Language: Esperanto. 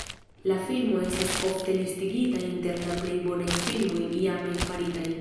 La filmo estas ofte listigita inter la plej bonaj filmoj iame faritaj.